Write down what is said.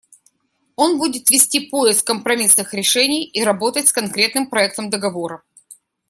Он будет вести поиск компромиссных решений и работать с конкретным проектом договора.